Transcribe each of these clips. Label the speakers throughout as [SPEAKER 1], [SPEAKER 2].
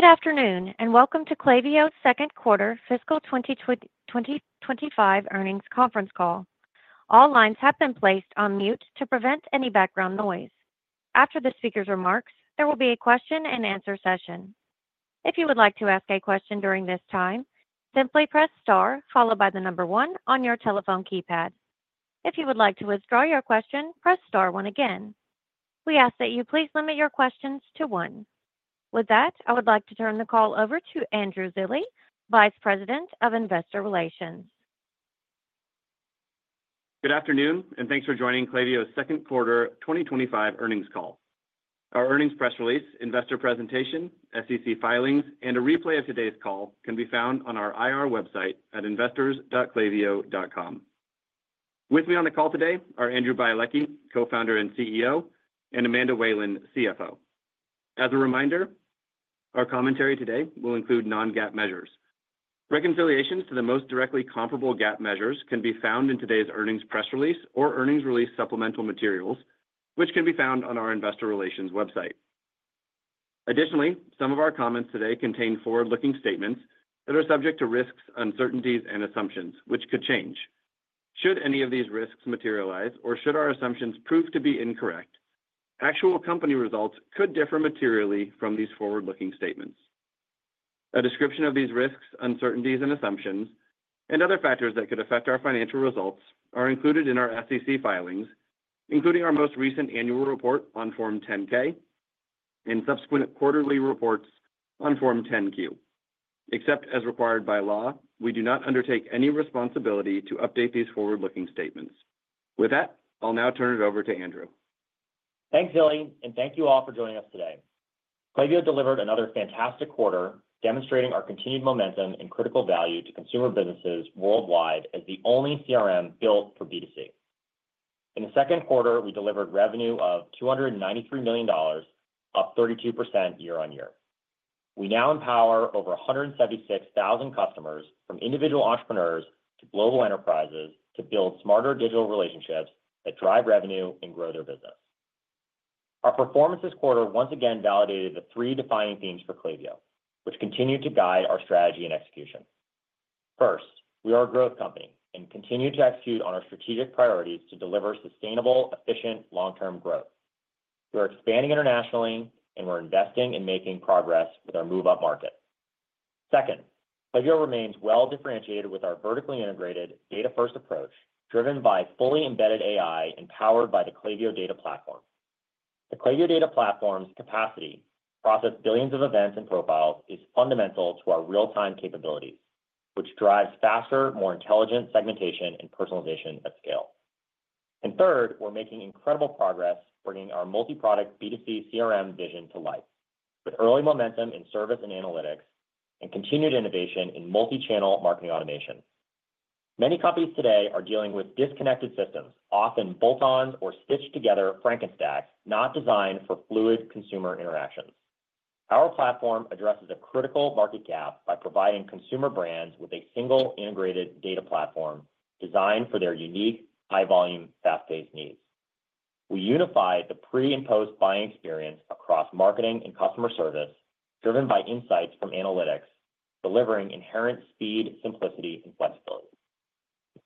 [SPEAKER 1] Good afternoon and welcome to Klaviyo's Second Quarter Fiscal 2025 Earnings Conference Call. All lines have been placed on mute to prevent any background noise. After the speaker's remarks, there will be a question and answer session. If you would like to ask a question during this time, simply press star followed by the number one on your telephone keypad. If you would like to withdraw your question, press star one again. We ask that you please limit your questions to one. With that, I would like to turn the call over to Andrew Zilli, Vice President of Investor Relations.
[SPEAKER 2] Good afternoon and thanks for joining Klaviyo's Second Quarter 2025 Earnings Call. Our earnings press release, investor presentation, SEC filings, and a replay of today's call can be found on our IR website at investors.klaviyo.com. With me on the call today are Andrew Bialecki, Co-Founder and CEO, and Amanda Whalen, CFO. As a reminder, our commentary today will include non-GAAP measures. Reconciliations to the most directly comparable GAAP measures can be found in today's earnings press release or earnings release supplemental materials, which can be found on our Investor Relations website. Additionally, some of our comments today contain forward-looking statements that are subject to risks, uncertainties, and assumptions, which could change. Should any of these risks materialize or should our assumptions prove to be incorrect, actual company results could differ materially from these forward-looking statements. A description of these risks, uncertainties, and assumptions, and other factors that could affect our financial results are included in our SEC filings, including our most recent annual report on Form 10-K and subsequent quarterly reports on Form 10-Q. Except as required by law, we do not undertake any responsibility to update these forward-looking statements. With that, I'll now turn it over to Andrew.
[SPEAKER 3] Thanks, Zilli, and thank you all for joining us today. Klaviyo delivered another fantastic quarter, demonstrating our continued momentum and critical value to consumer businesses worldwide as the only CRM built for B2C. In the second quarter, we delivered revenue of $293 million, up 32% year-on-year. We now empower over 176,000 customers from individual entrepreneurs to global enterprises to build smarter digital relationships that drive revenue and grow their business. Our performance this quarter once again validated the three defining themes for Klaviyo, which continue to guide our strategy and execution. First, we are a growth company and continue to execute on our strategic priorities to deliver sustainable, efficient, long-term growth. We are expanding internationally, and we're investing and making progress with our move-up market. Second, Klaviyo remains well-differentiated with our vertically integrated data-first approach, driven by fully embedded AI and powered by the Klaviyo Data Platform. The Klaviyo Data Platform's capacity to process billions of events and profiles is fundamental to our real-time capabilities, which drives faster, more intelligent segmentation and personalization at scale. Third, we're making incredible progress bringing our multi-product B2C CRM vision to life, with early momentum in service and analytics and continued innovation in multi-channel marketing automation. Many companies today are dealing with disconnected systems, often bolt-ons or stitched-together Frankensteins, not designed for fluid consumer interactions. Our platform addresses a critical market gap by providing consumer brands with a single integrated data platform designed for their unique, high-volume, fast-paced needs. We unify the pre-imposed buying experience across marketing and customer service, driven by insights from analytics, delivering inherent speed, simplicity, and flexibility.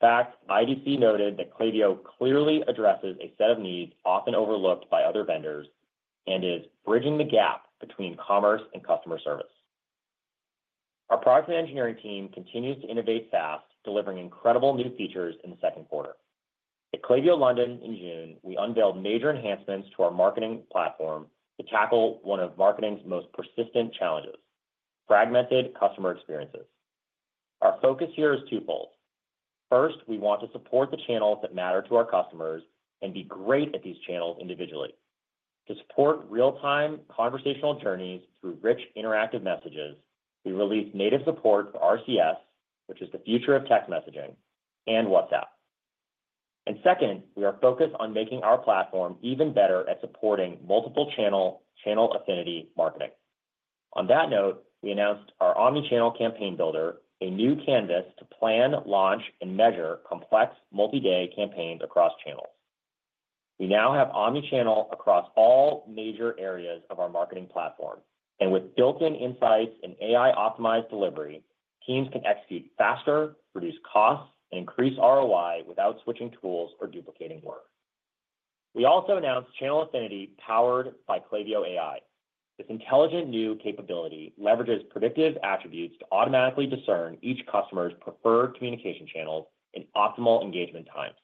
[SPEAKER 3] In fact, IDC noted that Klaviyo clearly addresses a set of needs often overlooked by other vendors and is bridging the gap between commerce and customer service. Our product and engineering team continues to innovate fast, delivering incredible new features in the second quarter. At Klaviyo London in June, we unveiled major enhancements to our marketing platform to tackle one of marketing's most persistent challenges: fragmented customer experiences. Our focus here is twofold. First, we want to support the channels that matter to our customers and be great at these channels individually. To support real-time conversational journeys through rich interactive messages, we've released native support for RCS, which is the future of text messaging, and WhatsApp. Second, we are focused on making our platform even better at supporting multiple-channel channel affinity marketing. On that note, we announced our Omnichannel Campaign Builder, a new canvas to plan, launch, and measure complex multi-day campaigns across channels. We now have omnichannel across all major areas of our marketing platform, and with built-in insights and AI-optimized delivery, teams can execute faster, reduce costs, and increase ROI without switching tools or duplicating work. We also announced channel affinity powered by Klaviyo AI. This intelligent new capability leverages predictive attributes to automatically discern each customer's preferred communication channels and optimal engagement times.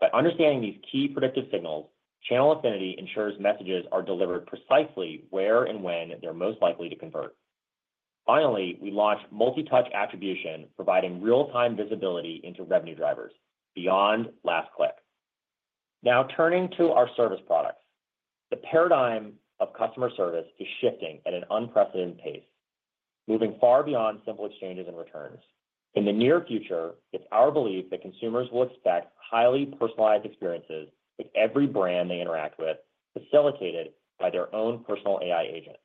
[SPEAKER 3] By understanding these key predictive signals, channel affinity ensures messages are delivered precisely where and when they're most likely to convert. Finally, we launched multi-touch attribution, providing real-time visibility into revenue drivers beyond last click. Now turning to our service products. The paradigm of customer service is shifting at an unprecedented pace, moving far beyond simple exchanges and returns. In the near future, it's our belief that consumers will expect highly personalized experiences in every brand they interact with, facilitated by their own personal AI agent.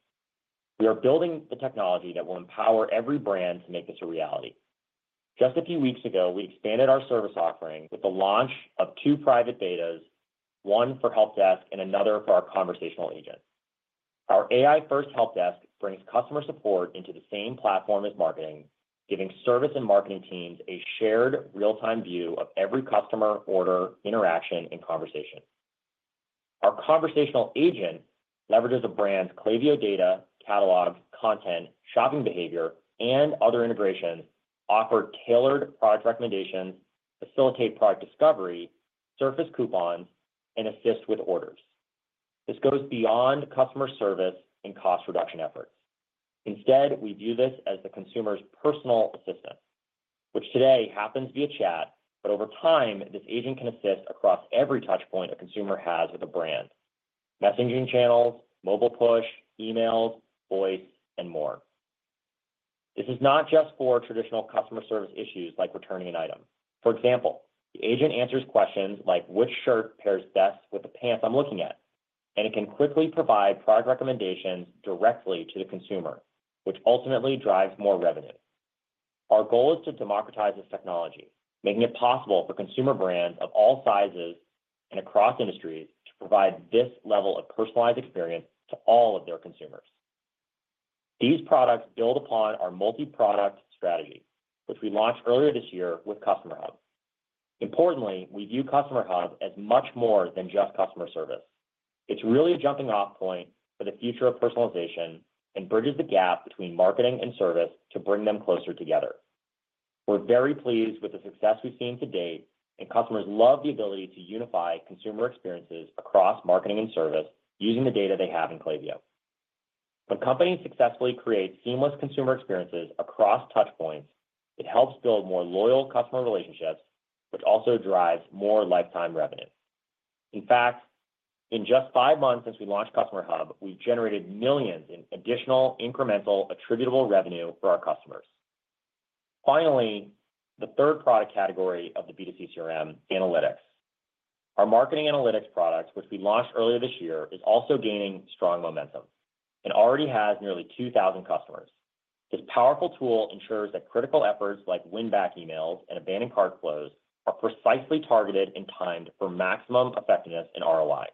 [SPEAKER 3] We are building the technology that will empower every brand to make this a reality. Just a few weeks ago, we expanded our service offering with the launch of two private betas, one for help desk and another for our conversational agent. Our AI-first help desk brings customer support into the same platform as marketing, giving service and marketing teams a shared real-time view of every customer, order, interaction, and conversation. Our conversational agent leverages a brand's Klaviyo data catalog, content, shopping behavior, and other integrations, offer tailored product recommendations, facilitate product discovery, surface coupons, and assist with orders. This goes beyond customer service and cost reduction effort. Instead, we view this as the consumer's personal assistant, which today happens via chat, but over time, this agent can assist across every touchpoint a consumer has with a brand: messaging channels, mobile push, emails, voice, and more. This is not just for traditional customer service issues like returning an item. For example, the agent answers questions like which shirt pairs best with the pants I'm looking at, and it can quickly provide product recommendations directly to the consumer, which ultimately drives more revenue. Our goal is to democratize this technology, making it possible for consumer brands of all sizes and across industries to provide this level of personalized experience to all of their consumers. These products build upon our multi-product strategy, which we launched earlier this year with Customer Hub. Importantly, we view Customer Hub as much more than just customer service. It's really a jumping-off point for the future of personalization and bridges the gap between marketing and service to bring them closer together. We're very pleased with the success we've seen to date, and customers love the ability to unify consumer experiences across marketing and service using the data they have in Klaviyo. When companies successfully create seamless consumer experiences across touchpoints, it helps build more loyal customer relationships, which also drives more lifetime revenue. In fact, in just five months since we launched Customer Hub, we've generated millions in additional incremental attributable revenue for our customers. Finally, the third product category of the B2C CRM, analytics. Our marketing analytics product, which we launched earlier this year, is also gaining strong momentum and already has nearly 2,000 customers. This powerful tool ensures that critical efforts like win-back emails and abandoned cart flows are precisely targeted and timed for maximum effectiveness and ROI.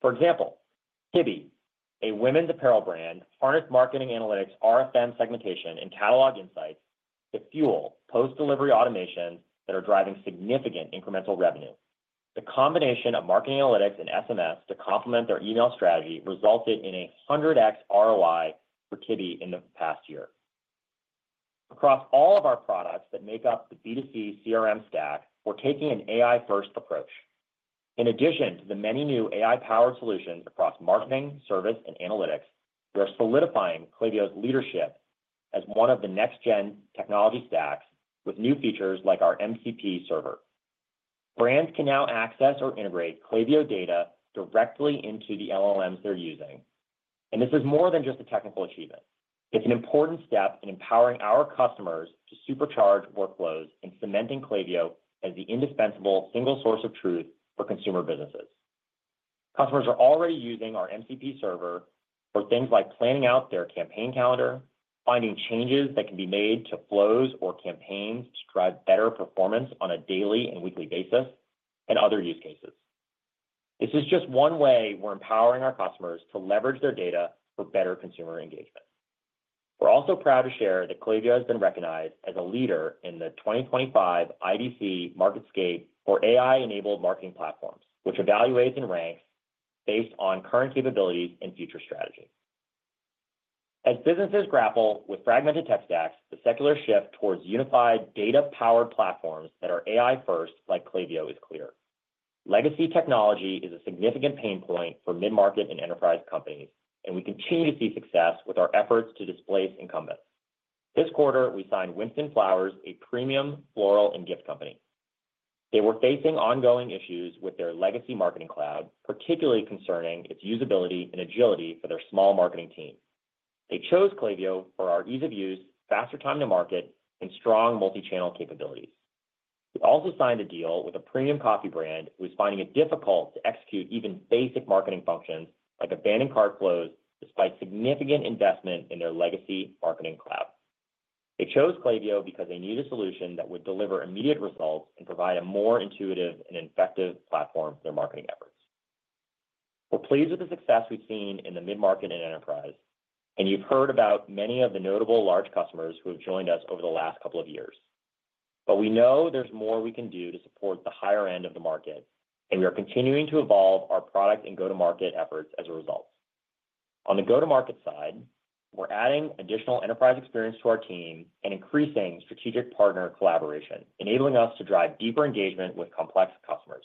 [SPEAKER 3] For example, Tibi, a women's apparel brand, harnessed marketing analytics RFM segmentation and catalog insights to fuel post-delivery automations that are driving significant incremental revenue. The combination of marketing analytics and SMS to complement their email strategy resulted in a 100x ROI for Tibi in the past year. Across all of our products that make up the B2C CRM stack, we're taking an AI-first approach. In addition to the many new AI-powered solutions across marketing, service, and analytics, we are solidifying Klaviyo's leadership as one of the next-gen technology stacks with new features like our MCP server. Brands can now access or integrate Klaviyo data directly into the LLMs they're using. This is more than just a technical achievement. It's an important step in empowering our customers to supercharge workflows and cementing Klaviyo as the indispensable single source of truth for consumer businesses. Customers are already using our MCP server for things like planning out their campaign calendar, finding changes that can be made to flows or campaigns to drive better performance on a daily and weekly basis, and other use cases. This is just one way we're empowering our customers to leverage their data for better consumer engagement. We're also proud to share that Klaviyo has been recognized as a leader in the 2025 IDC Market Scape for AI-enabled marketing platforms, which evaluates and ranks based on current capabilities and future strategy. As businesses grapple with fragmented tech stacks, the secular shift towards unified data-powered platforms that are AI-first like Klaviyo is clear. Legacy technology is a significant pain point for mid-market and enterprise companies, and we continue to see success with our efforts to displace incumbents. This quarter, we signed Winston Flowers, a premium floral and gift company. They were facing ongoing issues with their legacy marketing cloud, particularly concerning its usability and agility for their small marketing team. They chose Klaviyo for our ease of use, faster time to market, and strong multi-channel capabilities. We also signed a deal with a premium coffee brand who is finding it difficult to execute even basic marketing functions like abandoned cart flows despite significant investment in their legacy marketing cloud. They chose Klaviyo because they needed a solution that would deliver immediate results and provide a more intuitive and effective platform for their marketing efforts. We're pleased with the success we've seen in the mid-market and enterprise, and you've heard about many of the notable large customers who have joined us over the last couple of years. We know there's more we can do to support the higher end of the market, and we are continuing to evolve our product and go-to-market efforts as a result. On the go-to-market side, we're adding additional enterprise experience to our team and increasing strategic partner collaboration, enabling us to drive deeper engagement with complex customers.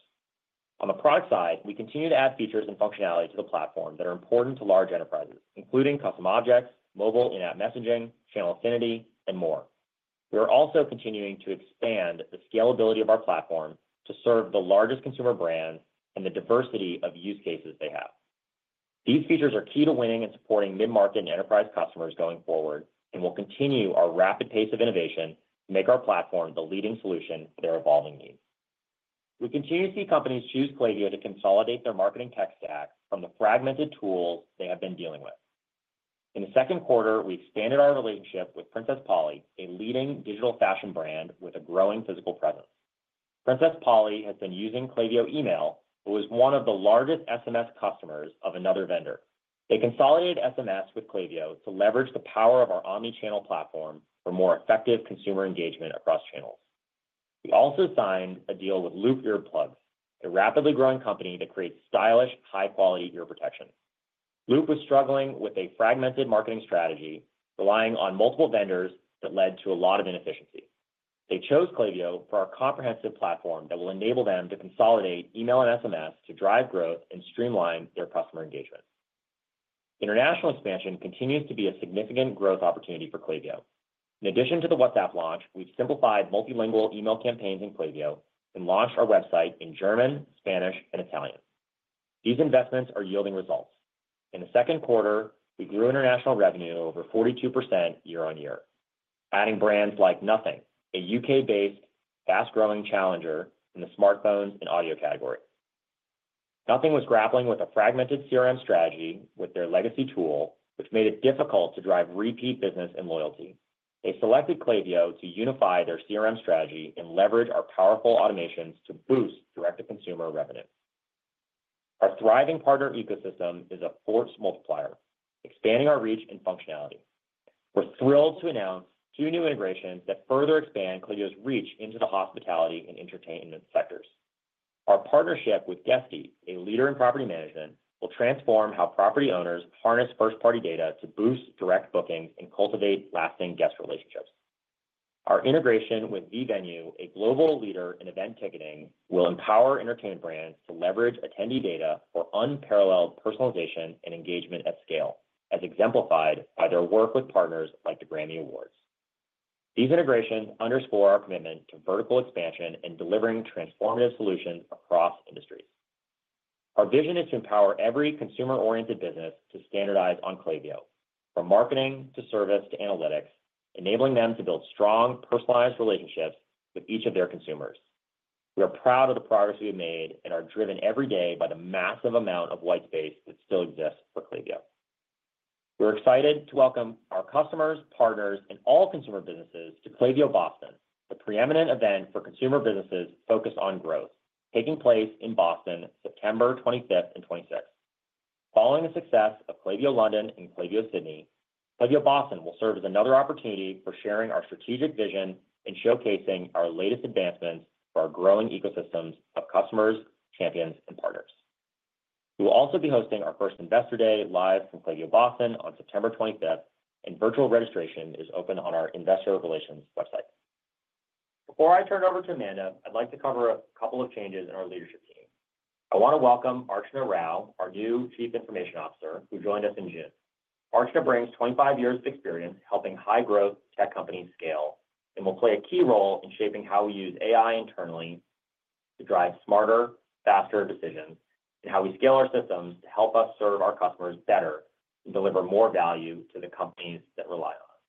[SPEAKER 3] On the product side, we continue to add features and functionality to the platform that are important to large enterprises, including custom objects, mobile in-app messaging, channel affinity, and more. We are also continuing to expand the scalability of our platform to serve the largest consumer brands and the diversity of use cases they have. These features are key to winning and supporting mid-market and enterprise customers going forward, and we'll continue our rapid pace of innovation to make our platform the leading solution for their evolving needs. We continue to see companies choose Klaviyo to consolidate their marketing tech stack from the fragmented tools they have been dealing with. In the second quarter, we expanded our relationship with Princess Polly, a leading digital fashion brand with a growing physical presence. Princess Polly has been using Klaviyo email, but was one of the largest SMS customers of another vendor. They consolidated SMS with Klaviyo to leverage the power of our omnichannel platform for more effective consumer engagement across channels. We also signed a deal with Loop earplug, a rapidly growing company that creates stylish, high-quality ear protection. Loop was struggling with a fragmented marketing strategy, relying on multiple vendors that led to a lot of inefficiency. They chose Klaviyo for our comprehensive platform that will enable them to consolidate email and SMS to drive growth and streamline their customer engagement. International expansion continues to be a significant growth opportunity for Klaviyo. In addition to the WhatsApp launch, we've simplified multilingual email campaigns in Klaviyo and launched our website in German, Spanish, and Italian. These investments are yielding results. In the second quarter, we grew international revenue over 42% year-on-year, adding brands like Nothing, a U.K.-based fast-growing challenger in the smartphones and audio category. Nothing was grappling with a fragmented CRM strategy with their legacy tool, which made it difficult to drive repeat business and loyalty. They selected Klaviyo to unify their CRM strategy and leverage our powerful automations to boost direct-to-consumer revenue. Our thriving partner ecosystem is a force multiplier, expanding our reach and functionality. We're thrilled to announce two new integrations that further expand Klaviyo's reach into the hospitality and entertainment sectors. Our partnership with Guesty, a leader in property management, will transform how property owners harness first-party data to boost direct bookings and cultivate lasting guest relationships. Our integration with vivenu, a global leader in event ticketing, will empower entertainment brands to leverage attendee data for unparalleled personalization and engagement at scale, as exemplified by their work with partners like the Grammy Awards. These integrations underscore our commitment to vertical expansion and delivering transformative solutions across industries. Our vision is to empower every consumer-oriented business to standardize on Klaviyo, from marketing to service to analytics, enabling them to build strong, personalized relationships with each of their consumers. We are proud of the progress we've made and are driven every day by the massive amount of white space that still exists for Klaviyo. We're excited to welcome our customers, partners, and all consumer businesses to Klaviyo Boston, the preeminent event for consumer businesses focused on growth, taking place in Boston, September 25th and 26th. Following the success of Klaviyo London and Klaviyo Sydney, Klaviyo Boston will serve as another opportunity for sharing our strategic vision and showcasing our latest advancements for our growing ecosystems of customers, champions, and partners. We will also be hosting our first Investor Day live from Klaviyo Boston on September 25th, and virtual registration is open on our Investor Relations website. Before I turn it over to Amanda, I'd like to cover a couple of changes in our leadership team. I want to welcome Archna Rao, our new Chief Information Officer, who joined us in June. Archna brings 25 years of experience helping high-growth tech companies scale and will play a key role in shaping how we use AI internally to drive smarter, faster decisions and how we scale our systems to help us serve our customers better and deliver more value to the companies that rely on us.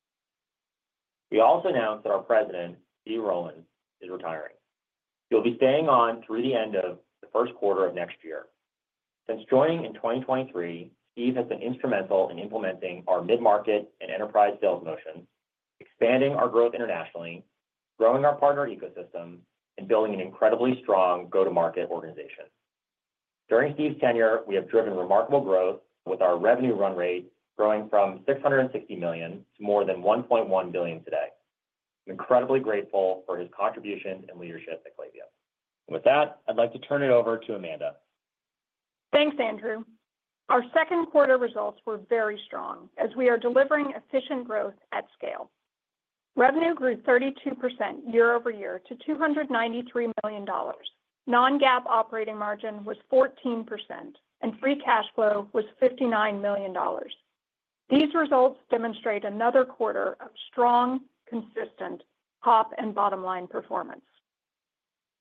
[SPEAKER 3] We also announced that our President, Steve Rowland, is retiring. He'll be staying on through the end of the first quarter of next year. Since joining in 2023, Steve has been instrumental in implementing our mid-market and enterprise sales motion, expanding our growth internationally, growing our partner ecosystem, and building an incredibly strong go-to-market organization. During Steve's tenure, we have driven remarkable growth with our revenue run rate growing from $660 million to more than $1.1 billion today. I'm incredibly grateful for his contributions and leadership at Klaviyo. I'd like to turn it over to Amanda.
[SPEAKER 4] Thanks, Andrew. Our second quarter results were very strong as we are delivering efficient growth at scale. Revenue grew 32% year-over-year to $293 million. Non-GAAP operating margin was 14%, and free cash flow was $59 million. These results demonstrate another quarter of strong, consistent top and bottom-line performance.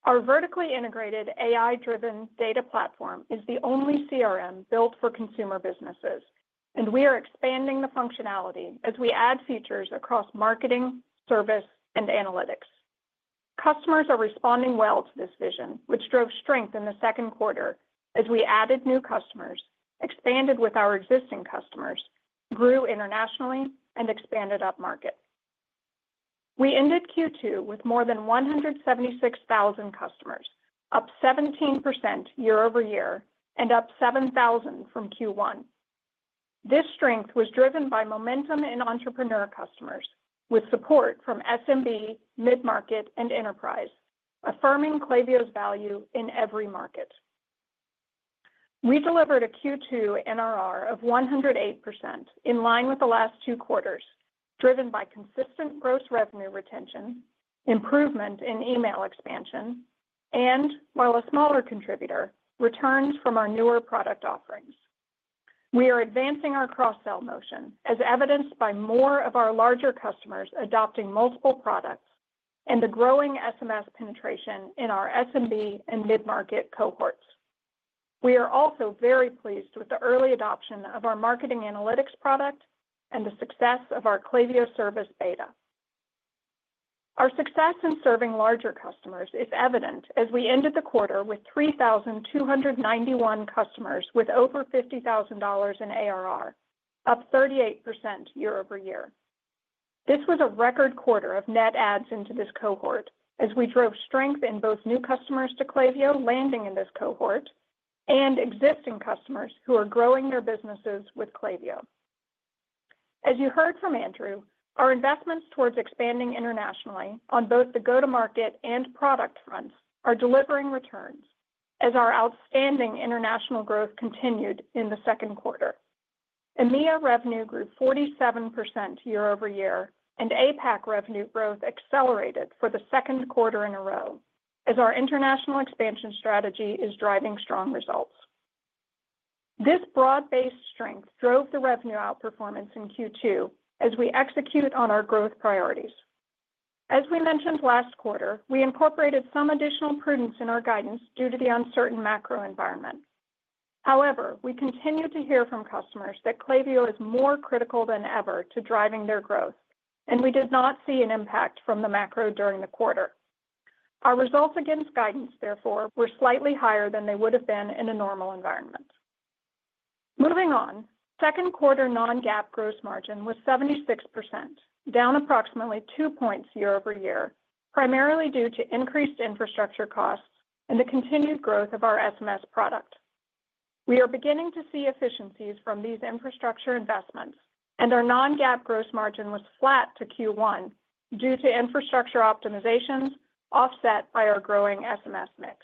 [SPEAKER 4] Our vertically integrated AI-driven data platform is the only CRM built for consumer businesses, and we are expanding the functionality as we add features across marketing, service, and analytics. Customers are responding well to this vision, which drove strength in the second quarter as we added new customers, expanded with our existing customers, grew internationally, and expanded up markets. We ended Q2 with more than 176,000 customers, up 17% year-over-year, and up 7,000 from Q1. This strength was driven by momentum in entrepreneur customers with support from SMB, mid-market, and enterprise, affirming Klaviyo's value in every market. We delivered a Q2 NRR of 108% in line with the last two quarters, driven by consistent gross revenue retention, improvement in email expansion, and, while a smaller contributor, returns from our newer product offerings. We are advancing our cross-sell motion, as evidenced by more of our larger customers adopting multiple products and the growing SMS penetration in our SMB and mid-market cohorts. We are also very pleased with the early adoption of our marketing analytics product and the success of our Klaviyo Customer Service beta. Our success in serving larger customers is evident as we ended the quarter with 3,291 customers with over $50,000 in ARR, up 38% year-over-year. This was a record quarter of net adds into this cohort as we drove strength in both new customers to Klaviyo landing in this cohort and existing customers who are growing their businesses with Klaviyo. As you heard from Andrew, our investments towards expanding internationally on both the go-to-market and product fronts are delivering returns as our outstanding international growth continued in the second quarter. EMEA revenue grew 47% year-over-year, and APAC revenue growth accelerated for the second quarter in a row as our international expansion strategy is driving strong results. This broad-based strength drove the revenue outperformance in Q2 as we execute on our growth priorities. As we mentioned last quarter, we incorporated some additional prudence in our guidance due to the uncertain macro environment. However, we continue to hear from customers that Klaviyo is more critical than ever to driving their growth, and we did not see an impact from the macro during the quarter. Our results against guidance, therefore, were slightly higher than they would have been in a normal environment. Moving on, second quarter non-GAAP gross margin was 76%, down approximately two points year-over-year, primarily due to increased infrastructure costs and the continued growth of our SMS product. We are beginning to see efficiencies from these infrastructure investments, and our non-GAAP gross margin was flat to Q1 due to infrastructure optimizations offset by our growing SMS mix.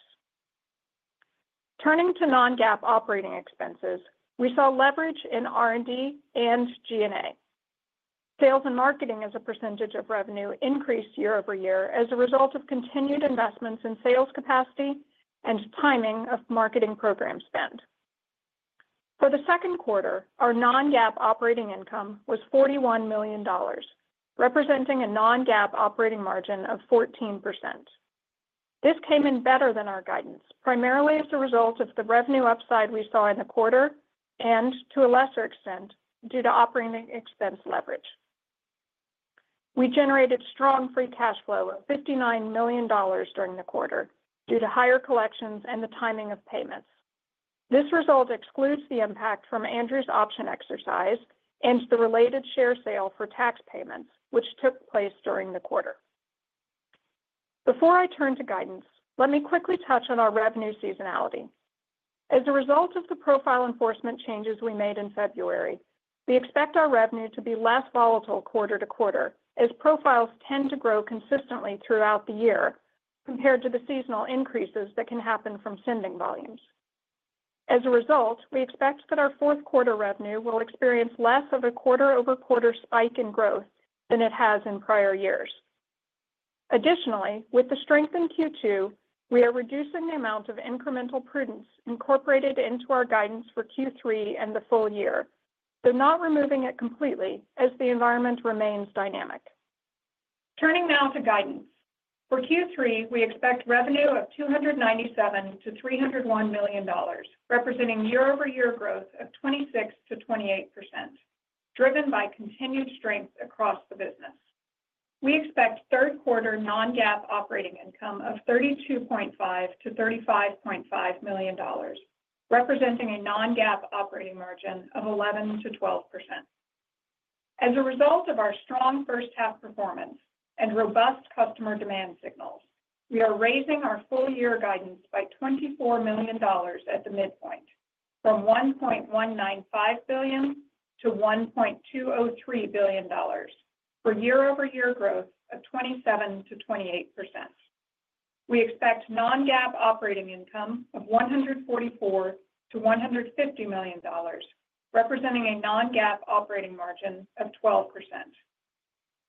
[SPEAKER 4] Turning to non-GAAP operating expenses, we saw leverage in R&D and G&A. Sales and marketing as a percentage of revenue increased year-over-year as a result of continued investments in sales capacity and timing of marketing program spend. For the second quarter, our non-GAAP operating income was $41 million, representing a non-GAAP operating margin of 14%. This came in better than our guidance, primarily as a result of the revenue upside we saw in the quarter and, to a lesser extent, due to operating expense leverage. We generated strong free cash flow of $59 million during the quarter due to higher collections and the timing of payments. This result excludes the impact from Andrew's option exercise and the related share sale for tax payments, which took place during the quarter. Before I turn to guidance, let me quickly touch on our revenue seasonality. As a result of the profile enforcement changes we made in February, we expect our revenue to be less volatile quarter to quarter as profiles tend to grow consistently throughout the year compared to the seasonal increases that can happen from sending volumes. As a result, we expect that our fourth quarter revenue will experience less of a quarter-over-quarter spike in growth than it has in prior years. Additionally, with the strength in Q2, we are reducing the amount of incremental prudence incorporated into our guidance for Q3 and the full year, though not removing it completely as the environment remains dynamic. Turning now to guidance. For Q3, we expect revenue of $297 to $301 million, representing year-over-year growth of 26% to 28%, driven by continued strength across the business. We expect third quarter non-GAAP operating income of $32.5-$35.5 million, representing a non-GAAP operating margin of 11%-12%. As a result of our strong first half performance and robust customer demand signals, we are raising our full-year guidance by $24 million at the midpoint, from $1.195 billion-$1.203 billion for year-over-year growth of 27%-28%. We expect non-GAAP operating income of $144 to $150 million, representing a non-GAAP operating margin of 12%.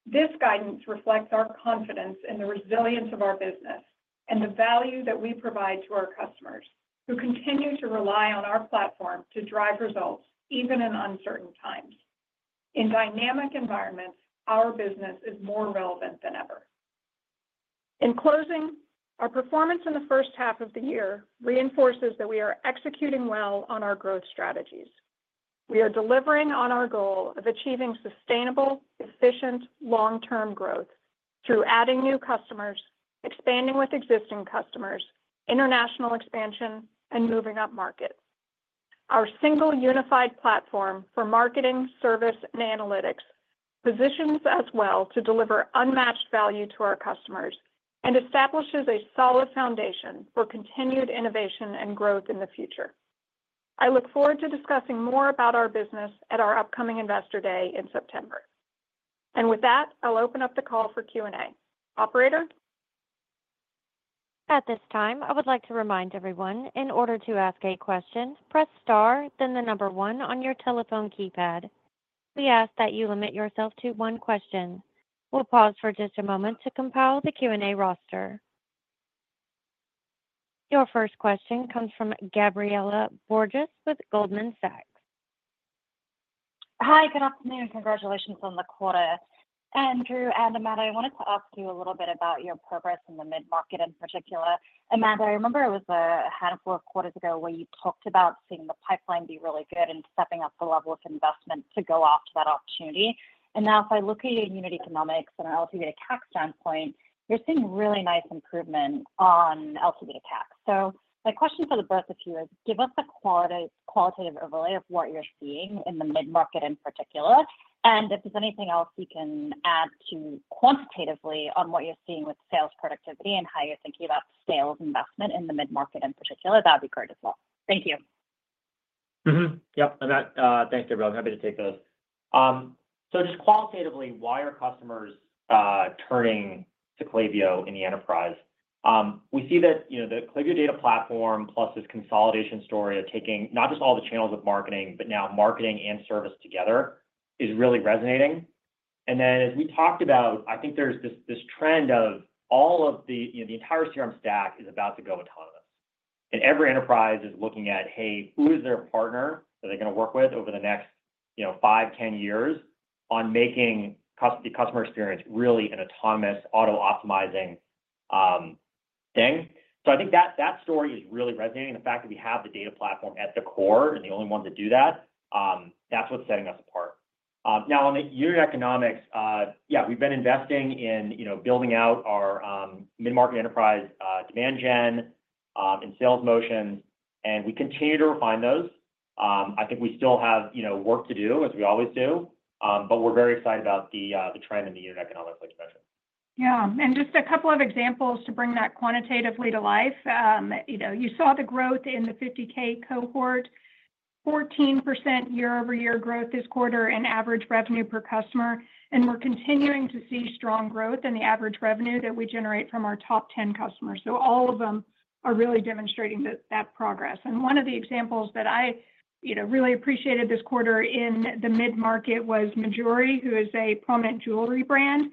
[SPEAKER 4] This guidance reflects our confidence in the resilience of our business and the value that we provide to our customers who continue to rely on our platform to drive results even in uncertain times. In dynamic environments, our business is more relevant than ever. In closing, our performance in the first half of the year reinforces that we are executing well on our growth strategies. We are delivering on our goal of achieving sustainable, efficient, long-term growth through adding new customers, expanding with existing customers, international expansion, and moving up markets. Our single unified platform for marketing, service, and analytics positions us well to deliver unmatched value to our customers and establishes a solid foundation for continued innovation and growth in the future. I look forward to discussing more about our business at our upcoming Investor Day in September. With that, I'll open up the call for Q&A. Operator?
[SPEAKER 1] At this time, I would like to remind everyone, in order to ask a question, press star, then the number one on your telephone keypad. We ask that you limit yourself to one question. We'll pause for just a moment to compile the Q&A roster. Your first question comes from Gabriella Borges with Goldman Sachs.
[SPEAKER 5] Hi, good afternoon. Congratulations on the quarter. Andrew and Amanda, I wanted to ask you a little bit about your progress in the mid-market in particular. Amanda, I remember it was a handful of quarters ago where you talked about seeing the pipeline be really good and stepping up the level of investment to go after that opportunity. If I look at your unit economics and LTV to CAC standpoint, you're seeing really nice improvement on LTV to CAC. My question for the both of you is, give us a qualitative overlay of what you're seeing in the mid-market in particular, and if there's anything else you can add quantitatively on what you're seeing with sales productivity and how you're thinking about sales investment in the mid-market in particular, that would be great as well. Thank you.
[SPEAKER 3] Yep, I'm back. Thanks, Gabriella. I'm happy to take those. Just qualitatively, why are customers turning to Klaviyo in the enterprise? We see that the Klaviyo data platform plus this consolidation story of taking not just all the channels with marketing, but now marketing and service together is really resonating. As we talked about, I think there's this trend of all of the entire CRM stack is about to go autonomous. Every enterprise is looking at, hey, who is their partner that they're going to work with over the next five, ten years on making the customer experience really an autonomous, auto-optimizing thing. I think that story is really resonating. The fact that we have the data platform at the core and the only one to do that, that's what's setting us apart. Now, on the unit economics, we've been investing in building out our mid-market enterprise demand gen and sales motion, and we continue to refine those. I think we still have work to do, as we always do, but we're very excited about the trend in the unit economics, like you mentioned.
[SPEAKER 4] Yeah, and just a couple of examples to bring that quantitatively to life. You saw the growth in the $50,000 cohort, 14% year-over-year growth this quarter in average revenue per customer, and we're continuing to see strong growth in the average revenue that we generate from our top 10 customers. All of them are really demonstrating that progress. One of the examples that I really appreciated this quarter in the mid-market was Mejuri, who is a prominent jewelry brand.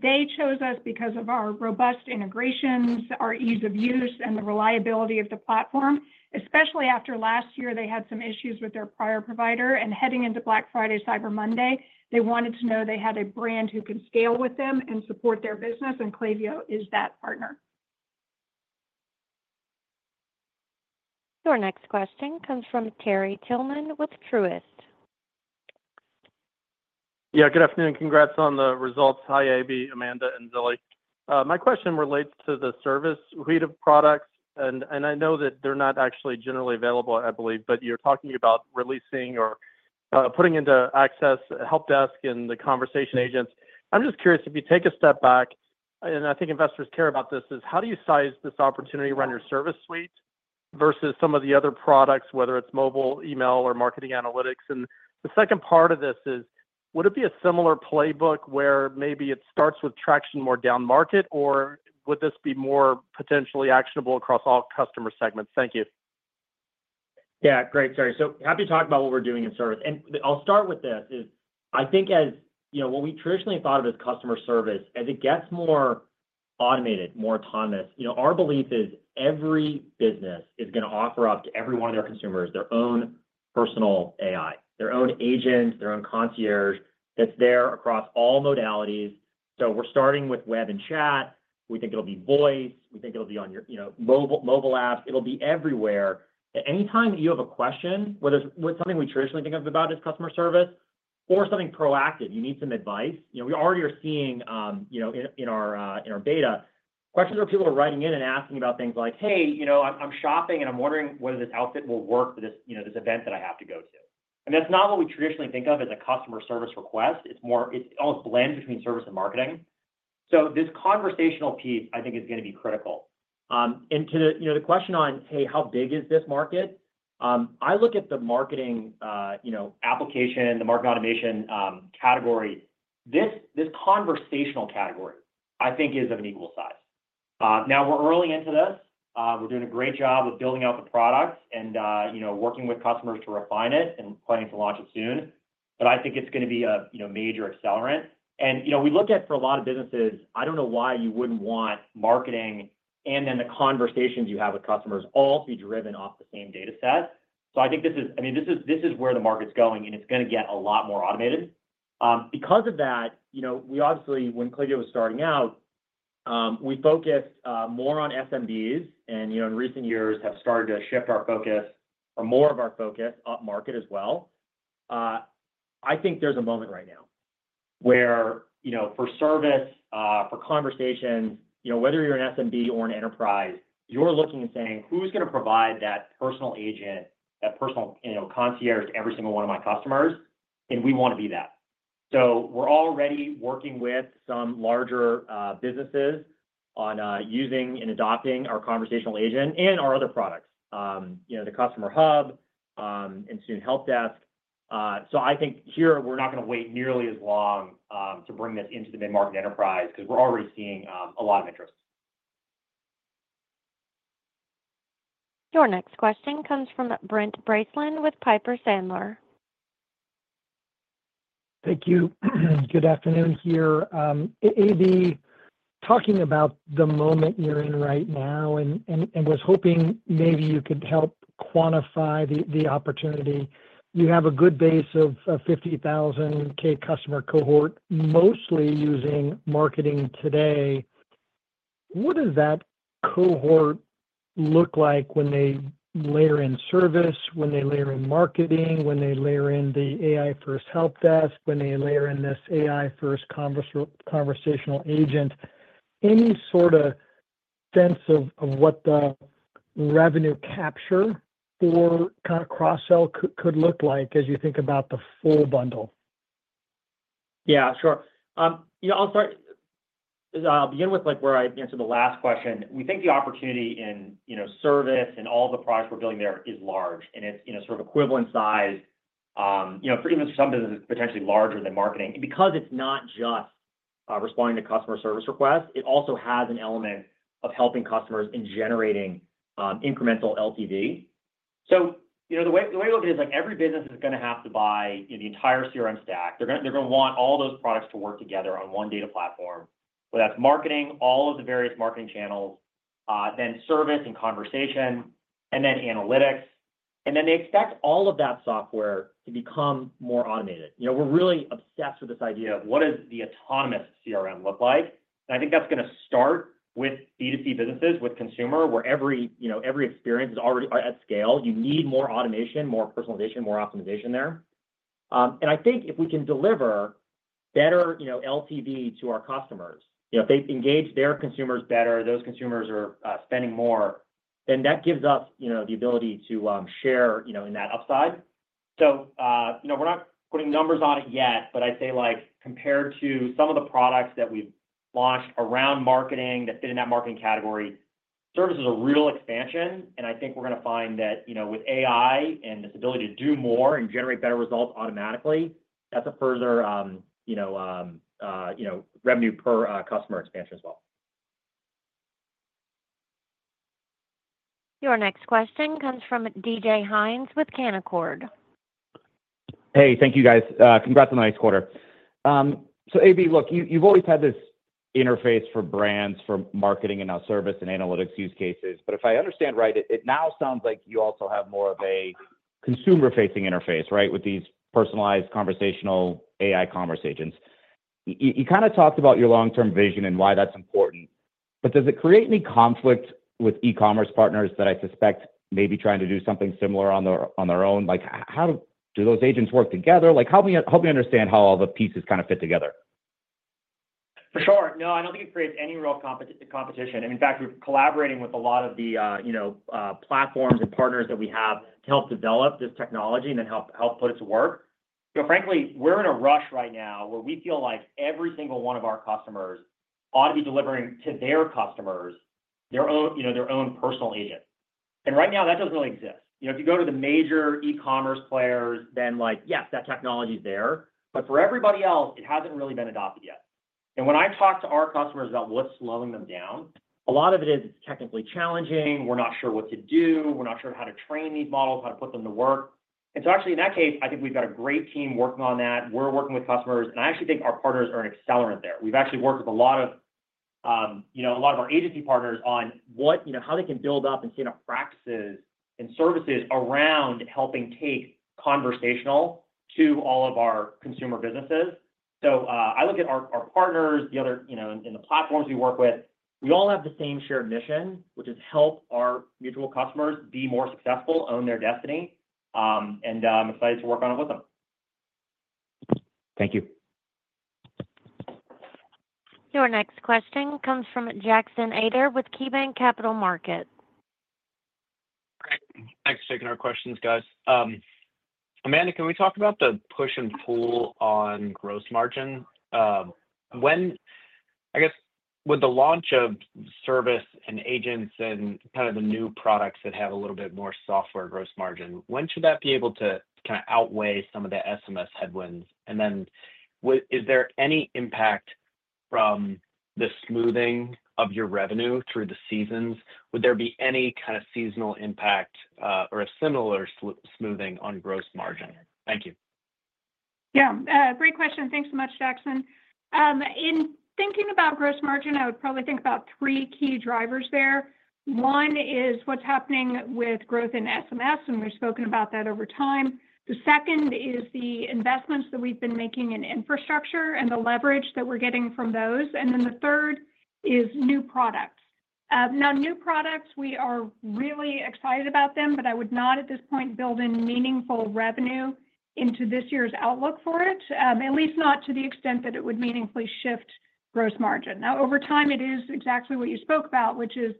[SPEAKER 4] They chose us because of our robust integrations, our ease of use, and the reliability of the platform, especially after last year they had some issues with their prior provider. Heading into Black Friday, Cyber Monday, they wanted to know they had a brand who can scale with them and support their business, and Klaviyo is that partner.
[SPEAKER 1] Our next question comes from Terry Tillman with Truist.
[SPEAKER 6] Yeah, good afternoon. Congrats on the results. Hi, Abby, Amanda, and Zilli. My question relates to the service suite of products, and I know that they're not actually generally available, I believe, but you're talking about releasing or putting into access help desk and the conversational agents. I'm just curious, if you take a step back, and I think investors care about this, is how do you size this opportunity to run your service suite versus some of the other products, whether it's mobile, email, or Marketing Analytics? The second part of this is, would it be a similar playbook where maybe it starts with traction more down market, or would this be more potentially actionable across all customer segments? Thank you.
[SPEAKER 3] Yeah, great, Terry. Happy to talk about what we're doing in service. I'll start with this. I think as what we traditionally thought of as customer service gets more automated, more autonomous, our belief is every business is going to offer up to every one of their consumers their own personal AI, their own agent, their own concierge that's there across all modalities. We're starting with web and chat. We think it'll be voice. We think it'll be on your mobile apps. It'll be everywhere. Anytime that you have a question, whether it's something we traditionally think of as customer service or something proactive, you need some advice, we already are seeing in our beta questions where people are writing in and asking about things like, hey, you know I'm shopping and I'm wondering whether this outfit will work for this event that I have to go to. That's not what we traditionally think of as a customer service request. It almost blends between service and marketing. This conversational piece, I think, is going to be critical. To the question on, hey, how big is this market? I look at the marketing application, the market automation category. This conversational category, I think, is of an equal size. We're early into this. We're doing a great job of building out the product and working with customers to refine it and planning to launch it soon. I think it's going to be a major accelerant. We look at, for a lot of businesses, I don't know why you wouldn't want marketing and then the conversations you have with customers all to be driven off the same data set. I think this is where the market's going, and it's going to get a lot more automated. Because of that, obviously, when Klaviyo was starting out, we focused more on SMBs and in recent years have started to shift our focus or more of our focus off market as well. I think there's a moment right now where, you know, for service, for conversation, whether you're an SMB or an enterprise, you're looking and saying, who's going to provide that personal agent, that personal concierge to every single one of my customers? We want to be that. We're already working with some larger businesses on using and adopting our conversational agent and our other products, the Customer Hub and student help desk. I think here we're not going to wait nearly as long to bring this into the mid-market enterprise because we're already seeing a lot of interest.
[SPEAKER 1] Your next question comes from Brent Bracelin with Piper Sandler.
[SPEAKER 7] Thank you. Good afternoon here. Abby, talking about the moment you're in right now and was hoping maybe you could help quantify the opportunity. You have a good base of $50,000 customer cohort, mostly using marketing today. What does that cohort look like when they layer in service, when they layer in marketing, when they layer in the AI-first help desk, when they layer in this AI-first conversational agent? Any sort of sense of what the revenue capture for kind of cross-sell could look like as you think about the full bundle?
[SPEAKER 3] Yeah, sure. I'll begin with where I answered the last question. We think the opportunity in service and all the products we're building there is large, and it's sort of equivalent size. Even for some businesses, it's potentially larger than marketing. Because it's not just responding to customer service requests, it also has an element of helping customers in generating incremental LTV. The way to look at it is like every business is going to have to buy the entire CRM stack. They're going to want all those products to work together on one data platform, whether that's marketing, all of the various marketing channels, then service and conversation, and then analytics. They expect all of that software to become more automated. We're really obsessed with this idea of what does the autonomous CRM look like? I think that's going to start with B2C businesses, with consumer, where every experience is already at scale. You need more automation, more personalization, more optimization there. I think if we can deliver better LTV to our customers, if they engage their consumers better, those consumers are spending more, then that gives us the ability to share in that upside. We're not putting numbers on it yet, but I'd say compared to some of the products that we've launched around marketing that fit in that marketing category, service is a real expansion. I think we're going to find that with AI and its ability to do more and generate better results automatically, that's a further revenue per customer expansion as well.
[SPEAKER 1] Your next question comes from DJ Hines with Canaccord.
[SPEAKER 8] Hey, thank you, guys. Congrats on the next quarter. Abby, look, you've always had this interface for brands, for marketing, and now service and analytics use cases. If I understand right, it now sounds like you also have more of a consumer-facing interface, right, with these personalized conversational AI conversations. You kind of talked about your long-term vision and why that's important. Does it create any conflict with e-commerce partners that I suspect may be trying to do something similar on their own? How do those agents work together? Help me understand how all the pieces kind of fit together.
[SPEAKER 3] For sure. I don't think it creates any real competition. In fact, we're collaborating with a lot of the platforms and partners that we have to help develop this technology and then help put it to work. Frankly, we're in a rush right now where we feel like every single one of our customers ought to be delivering to their customers their own personal agent. Right now, that doesn't really exist. If you go to the major e-commerce players, then yes, that technology is there. For everybody else, it hasn't really been adopted yet. When I talk to our customers about what's slowing them down, a lot of it is it's technically challenging. We're not sure what to do. We're not sure how to train these models, how to put them to work. In that case, I think we've got a great team working on that. We're working with customers, and I actually think our partners are an accelerant there. We've actually worked with a lot of our agency partners on how they can build up and stand up practices and services around helping take conversational to all of our consumer businesses. I look at our partners, the other, you know, in the platforms we work with, we all have the same shared mission, which is to help our mutual customers be more successful, own their destiny. I'm excited to work on it with them.
[SPEAKER 8] Thank you.
[SPEAKER 1] Your next question comes from Jackson Ader with KeyBanc Capital Markets.
[SPEAKER 9] Thanks for taking our questions, guys. Amanda, can we talk about the push and pull on gross margin? I guess with the launch of service and agents and kind of the new products that have a little bit more software gross margin, when should that be able to kind of outweigh some of the SMS headwinds? Is there any impact from the smoothing of your revenue through the seasons? Would there be any kind of seasonal impact or a similar smoothing on gross margin? Thank you.
[SPEAKER 4] Yeah, great question. Thanks so much, Jackson. In thinking about gross margin, I would probably think about three key drivers there. One is what's happening with growth in SMS, and we've spoken about that over time. The second is the investments that we've been making in infrastructure and the leverage that we're getting from those. The third is new products. Now, new products, we are really excited about them, but I would not at this point build in meaningful revenue into this year's outlook for it, at least not to the extent that it would meaningfully shift gross margin. Over time, it is exactly what you spoke about, which is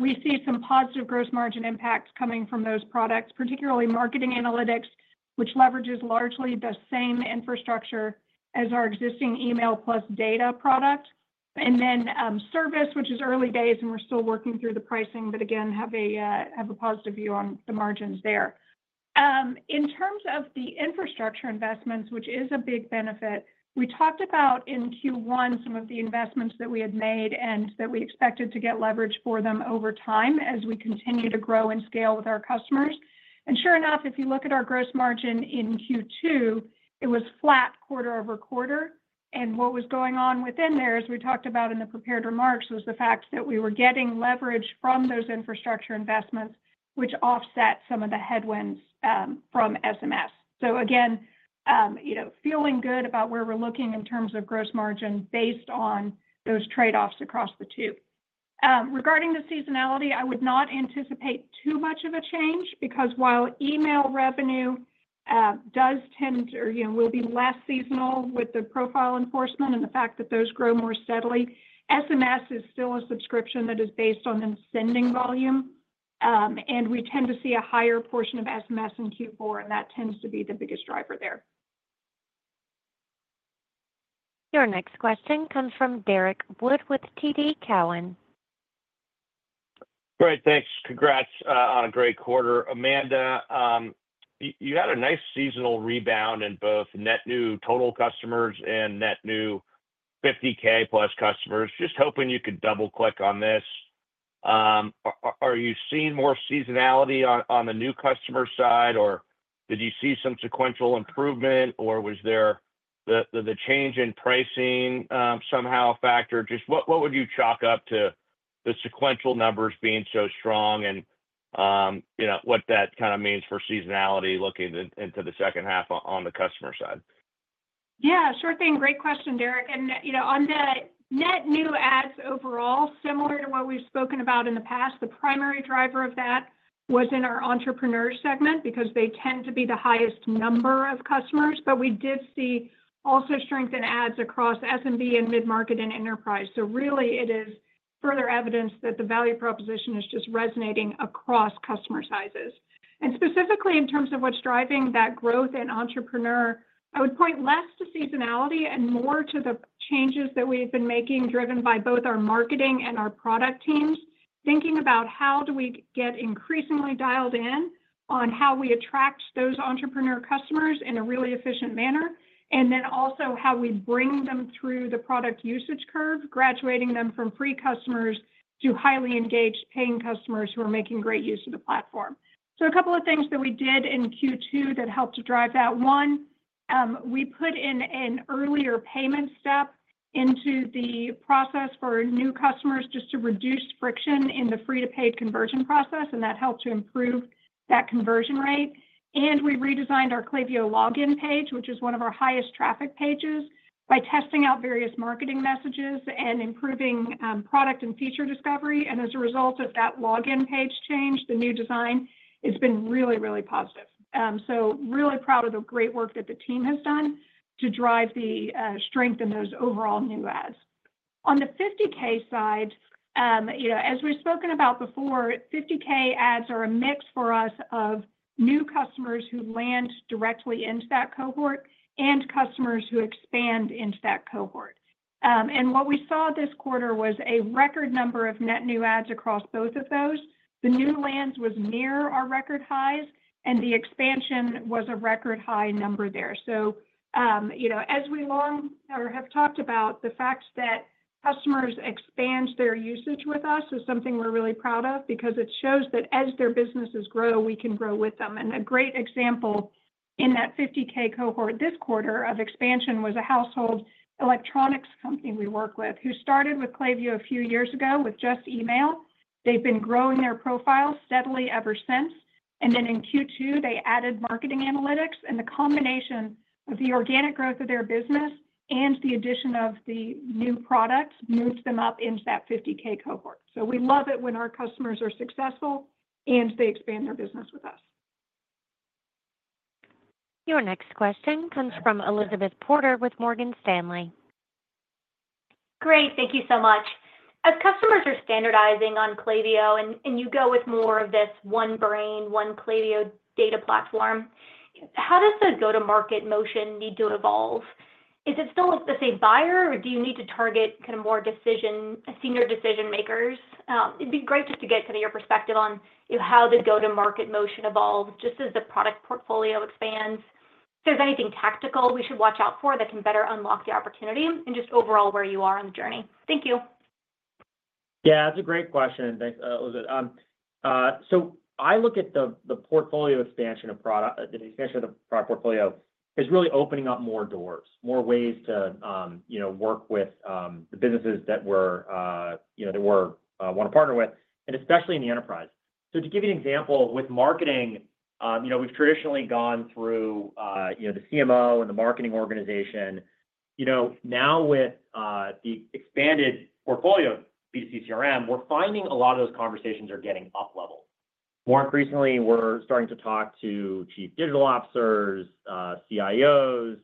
[SPEAKER 4] we see some positive gross margin impacts coming from those products, particularly Marketing Analytics, which leverages largely the same infrastructure as our existing email plus data product. Service, which is early days and we're still working through the pricing, but again, have a positive view on the margins there. In terms of the infrastructure investments, which is a big benefit, we talked about in Q1 some of the investments that we had made and that we expected to get leverage for them over time as we continue to grow and scale with our customers. If you look at our gross margin in Q2, it was flat quarter over quarter. What was going on within there, as we talked about in the prepared remarks, was the fact that we were getting leverage from those infrastructure investments, which offset some of the headwinds from SMS. Again, feeling good about where we're looking in terms of gross margin based on those trade-offs across the two. Regarding the seasonality, I would not anticipate too much of a change because while email revenue does tend to, you know, will be less seasonal with the profile enforcement and the fact that those grow more steadily, SMS is still a subscription that is based on them sending volume. We tend to see a higher portion of SMS in Q4, and that tends to be the biggest driver there.
[SPEAKER 1] Your next question comes from Derek Wood with TD Cowen.
[SPEAKER 10] Great, thanks. Congrats on a great quarter. Amanda, you had a nice seasonal rebound in both net new total customers and net new 50,000+ customers. Just hoping you could double-click on this. Are you seeing more seasonality on the new customer side, or did you see some sequential improvement, or was the change in pricing somehow a factor? What would you chalk up to the sequential numbers being so strong and what that kind of means for seasonality looking into the second half on the customer side?
[SPEAKER 4] Yeah, sure thing. Great question, Derek. On the net new adds overall, similar to what we've spoken about in the past, the primary driver of that was in our entrepreneur segment because they tend to be the highest number of customers. We did see also strength in adds across SMB and mid-market and enterprise. It is further evidence that the value proposition is just resonating across customer sizes. Specifically in terms of what's driving that growth in entrepreneur, I would point less to seasonality and more to the changes that we've been making driven by both our marketing and our product teams, thinking about how do we get increasingly dialed in on how we attract those entrepreneur customers in a really efficient manner, and then also how we bring them through the product usage curve, graduating them from free customers to highly engaged paying customers who are making great use of the platform. A couple of things that we did in Q2 that helped to drive that: one, we put in an earlier payment step into the process for new customers just to reduce friction in the free-to-pay conversion process, and that helped to improve that conversion rate. We redesigned our Klaviyo login page, which is one of our highest traffic pages, by testing out various marketing messages and improving product and feature discovery. As a result of that login page change, the new design has been really, really positive. Really proud of the great work that the team has done to drive the strength in those overall new adds. On the $50,000 side, as we've spoken about before, $50,000 adds are a mix for us of new customers who land directly into that cohort and customers who expand into that cohort. What we saw this quarter was a record number of net new adds across both of those. The new lands was near our record highs, and the expansion was a record high number there. As we have talked about, the fact that customers expand their usage with us is something we're really proud of because it shows that as their businesses grow, we can grow with them. A great example in that $50,000 cohort this quarter of expansion was a household electronics company we work with who started with Klaviyo a few years ago with just email. They've been growing their profile steadily ever since. In Q2, they added Marketing Analytics, and the combination of the organic growth of their business and the addition of the new products moved them up into that $50,000 cohort. We love it when our customers are successful and they expand their business with us.
[SPEAKER 1] Your next question comes from Elizabeth Porter with Morgan Stanley.
[SPEAKER 11] Great, thank you so much. As customers are standardizing on Klaviyo and you go with more of this one brain, one Klaviyo data platform, how does the go-to-market motion need to evolve? Is it still the same buyer, or do you need to target kind of more senior decision makers? It'd be great just to get kind of your perspective on how the go-to-market motion evolves just as the product portfolio expands. If there's anything tactical we should watch out for that can better unlock the opportunity and just overall where you are on the journey. Thank you.
[SPEAKER 3] Yeah, that's a great question. Thanks, Elizabeth. I look at the portfolio expansion of product. The expansion of the product portfolio is really opening up more doors, more ways to work with the businesses that we want to partner with, and especially in the enterprise. To give you an example, with marketing, you know, we've traditionally gone through the CMO and the marketing organization. Now with the expanded portfolio B2C CRM, we're finding a lot of those conversations are getting up leveled. More increasingly, we're starting to talk to Chief Digital Officers, CIOs,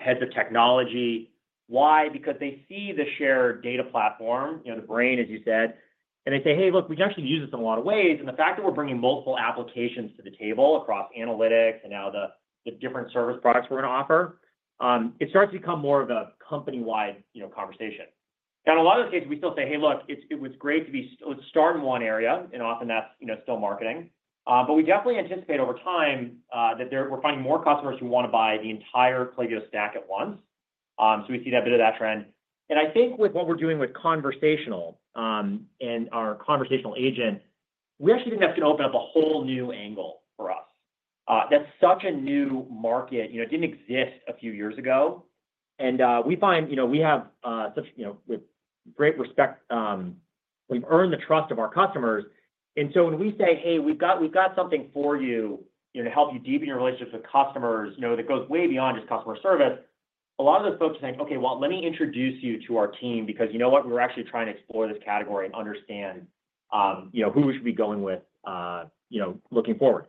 [SPEAKER 3] heads of technology. Why? Because they see the shared data platform, you know, the brain, as you said, and they say, hey, look, we actually use this in a lot of ways. The fact that we're bringing multiple applications to the table across analytics and now the different service products we're going to offer, it starts to become more of a company-wide conversation. In a lot of those cases, we still say, hey, look, it was great to start in one area, and often that's still marketing. We definitely anticipate over time that we're finding more customers who want to buy the entire Klaviyo stack at once. We see that bit of that trend. I think with what we're doing with conversational and our conversational agent, we actually think that's going to open up a whole new angle for us. That's such a new market. It didn't exist a few years ago. We find, you know, we have such great respect. We've earned the trust of our customers. When we say, hey, we've got something for you to help you deepen your relationships with customers, you know, that goes way beyond just customer service, a lot of those folks are saying, okay, well, let me introduce you to our team because you know what, we're actually trying to explore this category and understand, you know, who we should be going with, you know, looking forward.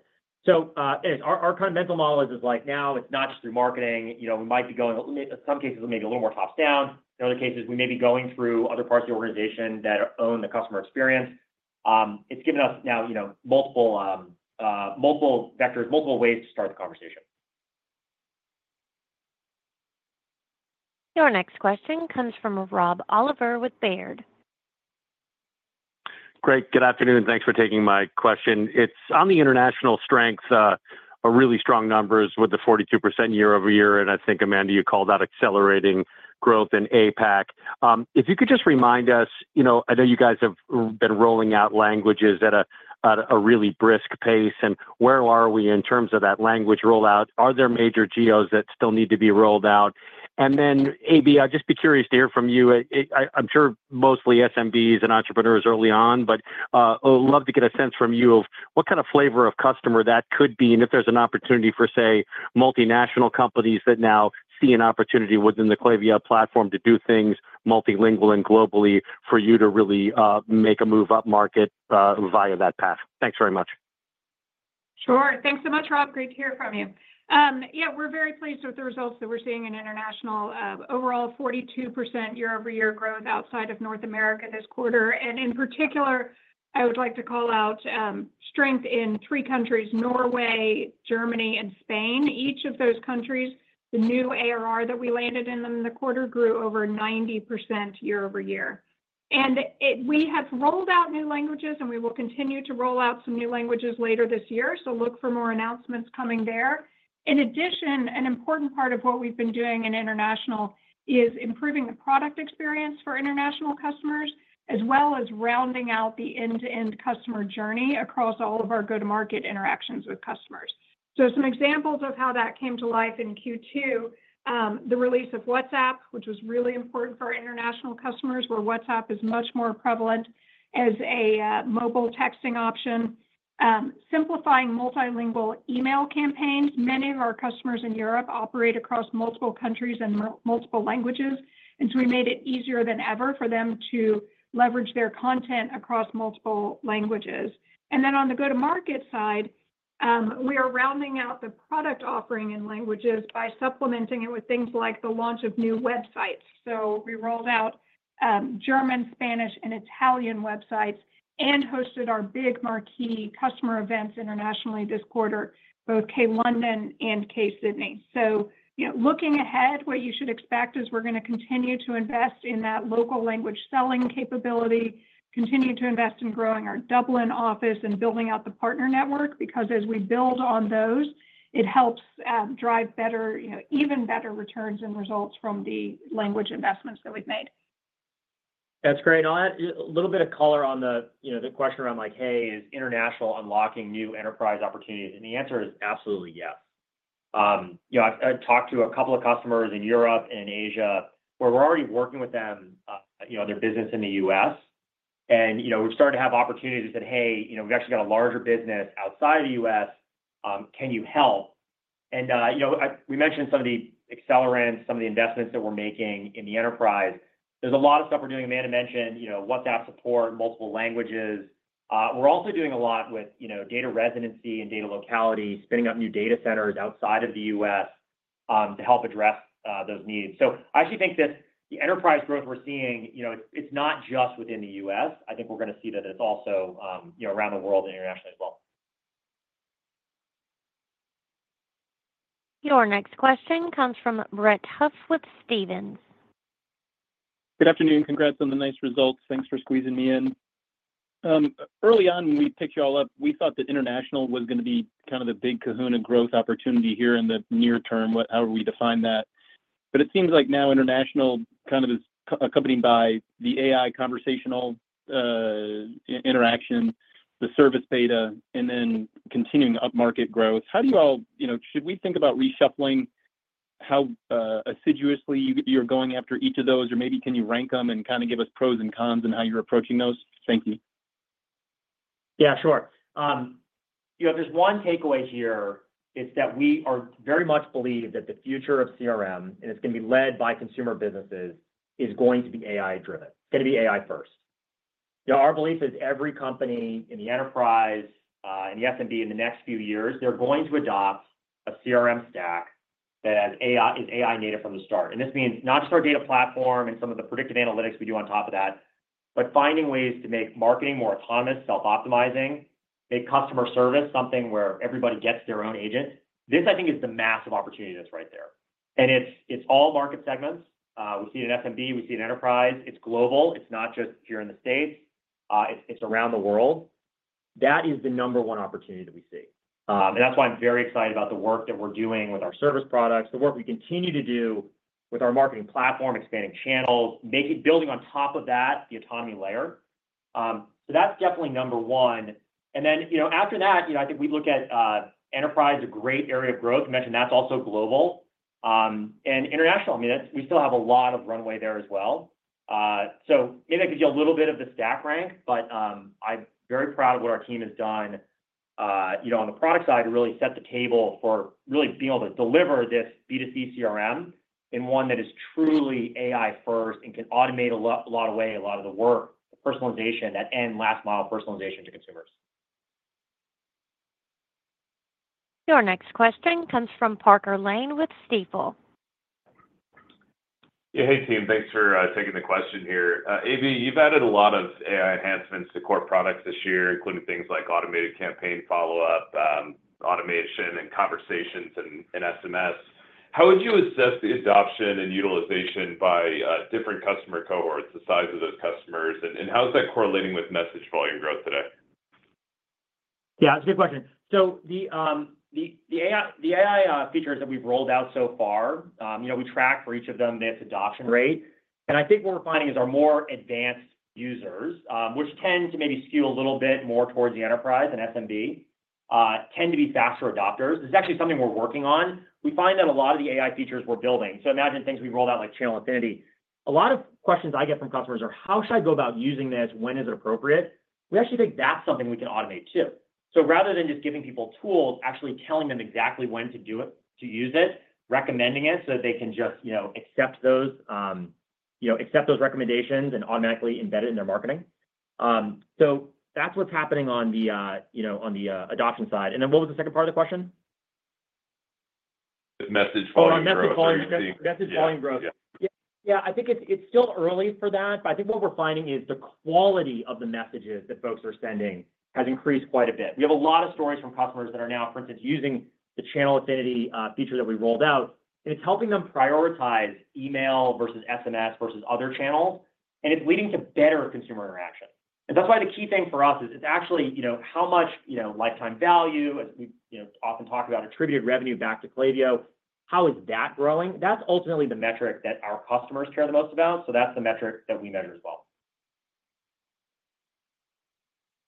[SPEAKER 3] Our kind of mental model is like now it's not just through marketing. We might be going, in some cases, maybe a little more tops down. In other cases, we may be going through other parts of the organization that own the customer experience. It's given us now, you know, multiple vectors, multiple ways to start the conversation.
[SPEAKER 1] Your next question comes from Rob Oliver with Baird.
[SPEAKER 12] Great, good afternoon. Thanks for taking my question. It's on the international strength, really strong numbers with the 42% year-over-year. I think, Amanda, you called out accelerating growth in APAC. If you could just remind us, you know, I know you guys have been rolling out languages at a really brisk pace. Where are we in terms of that language rollout? Are there major GOs that still need to be rolled out? Abby, I'd just be curious to hear from you. I'm sure mostly SMBs and entrepreneurs early on, but I'd love to get a sense from you of what kind of flavor of customer that could be and if there's an opportunity for, say, multinational companies that now see an opportunity within the Klaviyo platform to do things multilingual and globally for you to really make a move up market via that path. Thanks very much.
[SPEAKER 4] Sure. Thanks so much, Rob. Great to hear from you. Yeah, we're very pleased with the results that we're seeing in international. Overall, 42% year-over-year growth outside of North America this quarter. In particular, I would like to call out strength in three countries: Norway, Germany, and Spain. Each of those countries, the new ARR that we landed in them in the quarter grew over 90% year-over-year. We have rolled out new languages, and we will continue to roll out some new languages later this year. Look for more announcements coming there. In addition, an important part of what we've been doing in international is improving the product experience for international customers, as well as rounding out the end-to-end customer journey across all of our go-to-market interactions with customers. Some examples of how that came to life in Q2: the release of WhatsApp, which was really important for our international customers, where WhatsApp is much more prevalent as a mobile texting option, simplifying multilingual email campaigns. Many of our customers in Europe operate across multiple countries and multiple languages, and we made it easier than ever for them to leverage their content across multiple languages. On the go-to-market side, we are rounding out the product offering in languages by supplementing it with things like the launch of new websites. We rolled out German, Spanish, and Italian websites and hosted our big marquee customer events internationally this quarter, both K-London and K-Sydney. Looking ahead, what you should expect is we're going to continue to invest in that local language selling capability, continue to invest in growing our Dublin office and building out the partner network because as we build on those, it helps drive even better returns and results from the language investments that we've made.
[SPEAKER 3] That's great. I'll add a little bit of color on the question around like, hey, is international unlocking new enterprise opportunities? The answer is absolutely yes. I've talked to a couple of customers in Europe and Asia where we're already working with them, you know, their business in the U.S., and we've started to have opportunities and said, hey, you know, we've actually got a larger business outside of the U.S. Can you help? We mentioned some of the accelerants, some of the investments that we're making in the enterprise. There's a lot of stuff we're doing. Amanda mentioned, you know, WhatsApp support, multiple languages. We're also doing a lot with data residency and data locality, spinning up new data centers outside of the U.S. to help address those needs. I actually think that the enterprise growth we're seeing, it's not just within the U.S. I think we're going to see that it's also around the world and internationally as well.
[SPEAKER 1] Your next question comes from Brent Huff with Stephens.
[SPEAKER 13] Good afternoon. Congrats on the nice results. Thanks for squeezing me in. Early on when we picked you all up, we thought that international was going to be kind of the big cajon of growth opportunity here in the near term, however we define that. It seems like now international kind of is accompanied by the AI conversational interaction, the service beta, and then continuing up market growth. How do you all, you know, should we think about reshuffling how assiduously you're going after each of those, or maybe can you rank them and kind of give us pros and cons and how you're approaching those? Thank you.
[SPEAKER 3] Yeah, sure. If there's one takeaway here, it's that we very much believe that the future of CRM, and it's going to be led by consumer businesses, is going to be AI-driven. It's going to be AI-first. Our belief is every company in the enterprise, in the SMB in the next few years, they're going to adopt a CRM stack that is AI-native from the start. This means not just our data platform and some of the predictive analytics we do on top of that, but finding ways to make marketing more autonomous, self-optimizing, make customer service something where everybody gets their own agent. I think this is the massive opportunity that's right there. It's all market segments. We see it in SMB, we see it in enterprise. It's global. It's not just here in the United States. It's around the world. That is the number one opportunity that we see. That's why I'm very excited about the work that we're doing with our service products, the work we continue to do with our marketing platform, expanding channels, building on top of that the autonomy layer. That's definitely number one. After that, I think we'd look at enterprise, a great area of growth. You mentioned that's also global and international. We still have a lot of runway there as well. Maybe I could give you a little bit of the stack rank, but I'm very proud of what our team has done on the product side to really set the table for really being able to deliver this B2C CRM in one that is truly AI-first and can automate away a lot of the work, personalization, that end last mile personalization to consumers.
[SPEAKER 1] Your next question comes from Parker Lane with Staple.
[SPEAKER 14] Yeah, hey team, thanks for taking the question here. Abby, you've added a lot of AI enhancements to core products this year, including things like automated campaign follow-up, automation, and conversations in SMS. How would you assess the adoption and utilization by different customer cohorts, the size of those customers, and how is that correlating with message volume growth today?
[SPEAKER 3] Yeah, that's a good question. The AI features that we've rolled out so far, we track for each of them its adoption rate. I think what we're finding is our more advanced users, which tend to maybe skew a little bit more towards the enterprise and SMB, tend to be faster adopters. This is actually something we're working on. We find that a lot of the AI features we're building, imagine things we rolled out like channel affinity. A lot of questions I get from customers are, how should I go about using this? When is it appropriate? We actually think that's something we can automate too. Rather than just giving people tools, actually telling them exactly when to do it, to use it, recommending it so that they can just accept those recommendations and automatically embed it in their marketing. That's what's happening on the adoption side. What was the second part of the question?
[SPEAKER 14] Message volume growth.
[SPEAKER 3] Message volume growth. Yeah, I think it's still early for that, but I think what we're finding is the quality of the messages that folks are sending has increased quite a bit. We have a lot of stories from customers that are now, for instance, using the channel affinity feature that we rolled out. It's helping them prioritize email versus SMS versus other channels, and it's leading to better consumer interaction. That's why the key thing for us is it's actually, you know, how much, you know, lifetime value, as we often talk about, attributed revenue back to Klaviyo, how is that growing? That's ultimately the metric that our customers care the most about. That's the metric that we measure as well.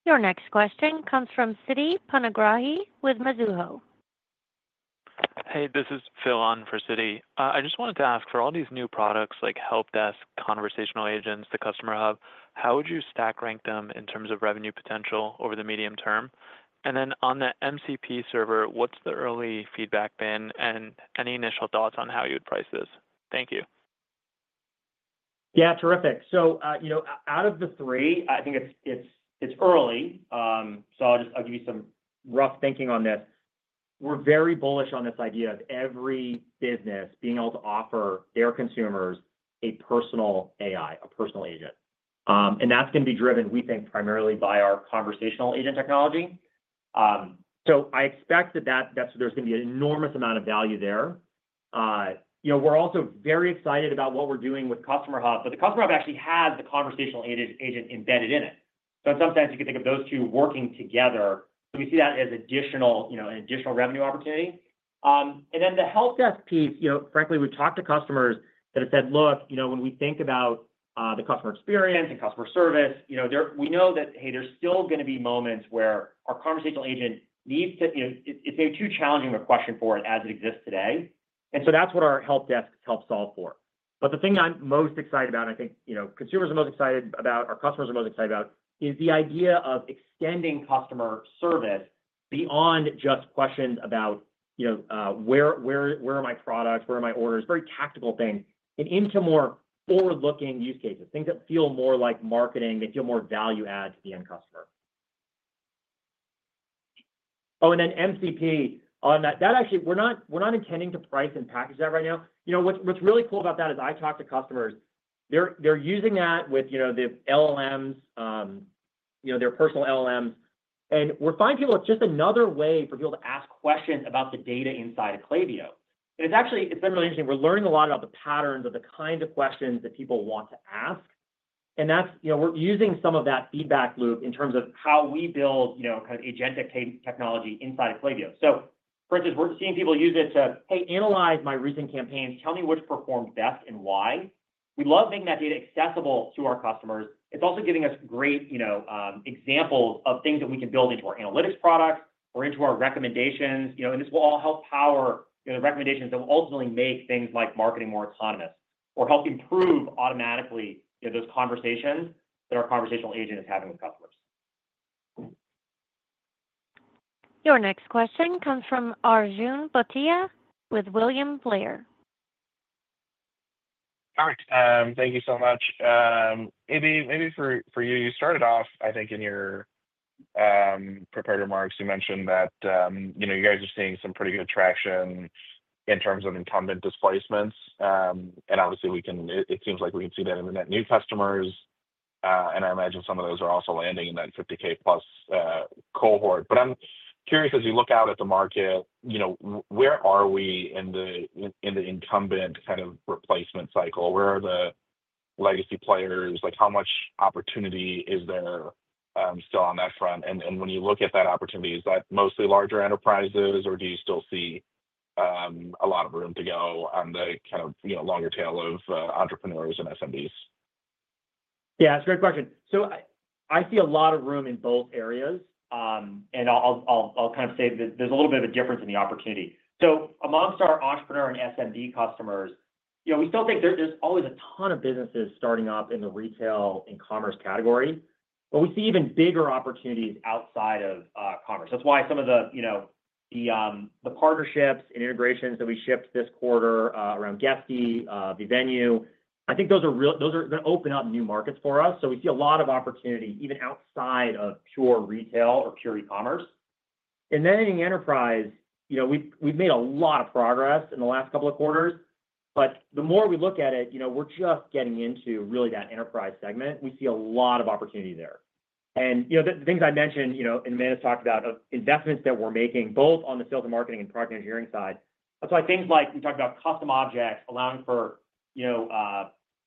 [SPEAKER 1] Your next question comes from Siti Panigrahi with Mizuho. Hey, this is Phil on for Siti. I just wanted to ask, for all these new products like help desk, conversational agents, the Customer Hub, how would you stack rank them in terms of revenue potential over the medium term? On the MCP server, what's the early feedback been and any initial thoughts on how you would price this? Thank you.
[SPEAKER 3] Yeah, terrific. Out of the three, I think it's early. I'll give you some rough thinking on this. We're very bullish on this idea of every business being able to offer their consumers a personal AI, a personal agent. That's going to be driven, we think, primarily by our conversational agent technology. I expect that there's going to be an enormous amount of value there. We're also very excited about what we're doing with Customer Hub, but the Customer Hub actually has the conversational agent embedded in it. In some sense, you can think of those two working together. We see that as an additional revenue opportunity. The help desk piece, frankly, we've talked to customers that have said, look, when we think about the customer experience and customer service, we know that, hey, there's still going to be moments where our conversational agent needs to, it's maybe too challenging a question for it as it exists today. That's what our help desk helps solve for. The thing that I'm most excited about, and I think consumers are most excited about, our customers are most excited about, is the idea of extending customer service beyond just questions about where are my products, where are my orders, very tactical things, and into more forward-looking use cases, things that feel more like marketing, that feel more value-add to the end customer. Oh, and then MCP on that, actually, we're not intending to price and package that right now. What's really cool about that is I talk to customers. They're using that with the LLMs, their personal LLMs. We're finding people, it's just another way for people to ask questions about the data inside of Klaviyo. It's actually been really interesting. We're learning a lot about the patterns of the kind of questions that people want to ask. We're using some of that feedback loop in terms of how we build kind of agentic technology inside of Klaviyo. For instance, we're seeing people use it to, hey, analyze my recent campaigns, tell me which performed best and why. We love making that data accessible to our customers. It's also giving us great examples of things that we can build into our analytics products or into our recommendations. This will all help power the recommendations that will ultimately make things like marketing more autonomous or help improve automatically those conversations that our conversational agent is having with customers.
[SPEAKER 1] Your next question comes from Arjun Patiya with William Blair.
[SPEAKER 15] All right, thank you so much. Ammy, maybe for you, you started off, I think, in your prepared remarks. You mentioned that, you know, you guys are seeing some pretty good traction in terms of incumbent displacements. Obviously, we can, it seems like we can see that in the net new customers. I imagine some of those are also landing in that $50,000+ cohort. I'm curious, as you look out at the market, where are we in the incumbent kind of replacement cycle? Where are the legacy players? How much opportunity is there still on that front? When you look at that opportunity, is that mostly larger enterprises, or do you still see a lot of room to go on the kind of, you know, longer tail of entrepreneurs and SMBs?
[SPEAKER 3] Yeah, that's a great question. I see a lot of room in both areas. I'll kind of say that there's a little bit of a difference in the opportunity. Amongst our entrepreneur and SMB customers, we still think there's always a ton of businesses starting up in the retail and commerce category. We see even bigger opportunities outside of commerce. That's why some of the partnerships and integrations that we shipped this quarter around Guesty, vivenu, I think those are real, those open up new markets for us. We see a lot of opportunity even outside of pure retail or pure e-commerce. In the enterprise, we've made a lot of progress in the last couple of quarters. The more we look at it, we're just getting into really that enterprise segment. We see a lot of opportunity there. The things I mentioned, and Amanda's talked about, investments that we're making both on the sales and marketing and project engineering side. That's why things like we talked about custom objects, allowing for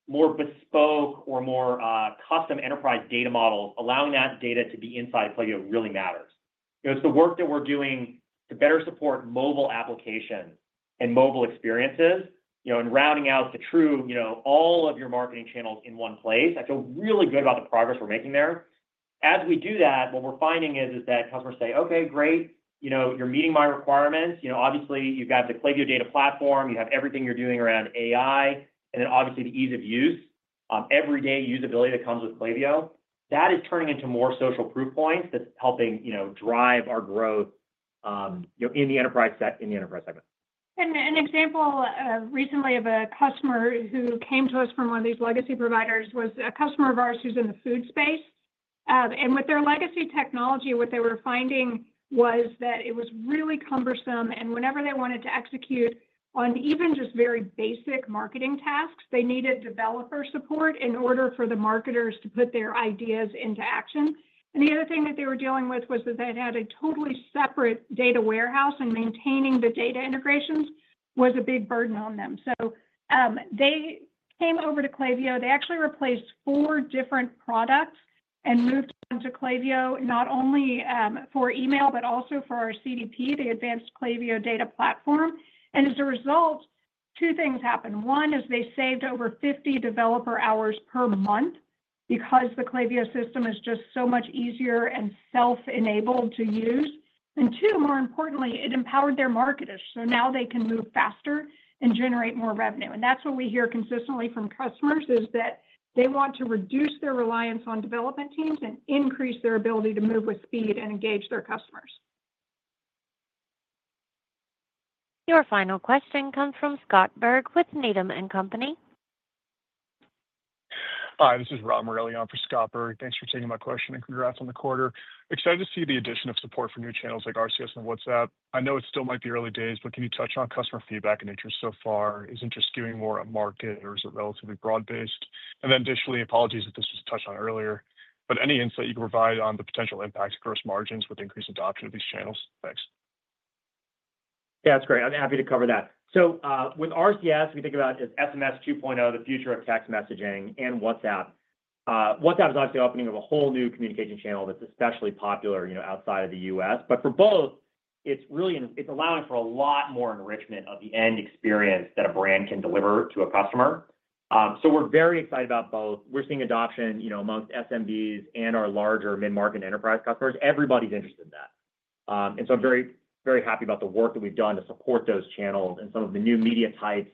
[SPEAKER 3] more bespoke or more custom enterprise data models, allowing that data to be inside Klaviyo really matters. It's the work that we're doing to better support mobile applications and mobile experiences, and routing out the true, all of your marketing channels in one place. I feel really good about the progress we're making there. As we do that, what we're finding is that customers say, okay, great, you're meeting my requirements. Obviously, you've got the Klaviyo data platform. You have everything you're doing around AI. Obviously, the ease of use, everyday usability that comes with Klaviyo, that is turning into more social proof points that's helping drive our growth in the enterprise segment.
[SPEAKER 4] An example recently of a customer who came to us from one of these legacy providers was a customer of ours who's in the food space. With their legacy technology, what they were finding was that it was really cumbersome. Whenever they wanted to execute on even just very basic marketing tasks, they needed developer support in order for the marketers to put their ideas into action. The other thing that they were dealing with was that they had a totally separate data warehouse, and maintaining the data integrations was a big burden on them. They came over to Klaviyo. They actually replaced four different products and moved into Klaviyo, not only for email, but also for our CDP, the advanced Klaviyo data platform. As a result, two things happened. One is they saved over 50 developer hours per month because the Klaviyo system is just so much easier and self-enabled to use. More importantly, it empowered their marketers. Now they can move faster and generate more revenue. That's what we hear consistently from customers: they want to reduce their reliance on development teams and increase their ability to move with speed and engage their customers.
[SPEAKER 1] Your final question comes from Scott Berg with Needham & Company. Hi, this is Rob Merillion for Scott Berg. Thanks for taking my question and congrats on the quarter. Excited to see the addition of support for new channels like RCS and WhatsApp. I know it still might be early days, but can you touch on customer feedback and interest so far? Is it just skewing more a market or is it relatively broad-based? Additionally, apologies if this was touched on earlier, but any insight you can provide on the potential impacts of gross margins with increased adoption of these channels? Thanks.
[SPEAKER 3] Yeah, that's great. I'm happy to cover that. With RCS, we think about SMS 2.0, the future of text messaging, and WhatsApp. WhatsApp is obviously opening up a whole new communication channel that's especially popular outside of the U.S. For both, it's really allowing for a lot more enrichment of the end experience that a brand can deliver to a customer. We're very excited about both. We're seeing adoption amongst SMBs and our larger mid-market enterprise customers. Everybody's interested in that. I'm very, very happy about the work that we've done to support those channels and some of the new media type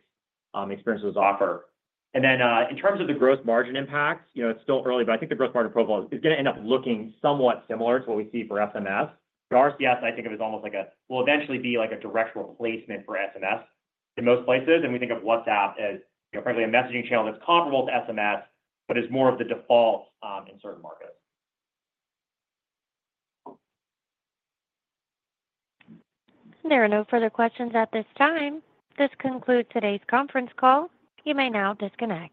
[SPEAKER 3] experiences offered. In terms of the gross margin impacts, it's still early, but I think the gross margin profile is going to end up looking somewhat similar to what we see for SMS. RCS, I think of as almost like a, will eventually be like a direct replacement for SMS in most places. We think of WhatsApp as, frankly, a messaging channel that's comparable to SMS, but is more of the default in certain markets.
[SPEAKER 1] There are no further questions at this time. This concludes today's conference call. You may now disconnect.